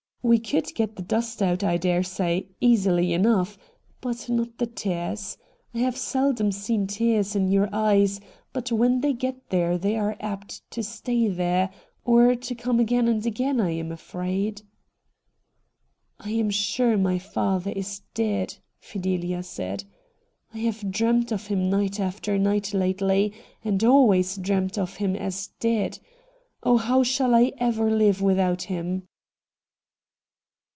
We could get the dust out, I dare say, easily enough — but not the tears. I have seldom seen tears in your eyes, but when they get there they are apt to stay there — or to come again and again, I am afraid.' 'I am sure my father is dead,' Fideha said. ' I have dreamed of him night after night lately — and always dreamed of him as dead. Oh, how shall I ever live without him